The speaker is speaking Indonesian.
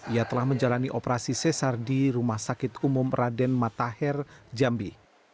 ia telah menjalani operasi sesar di rumah sakit umum raden matahir jambi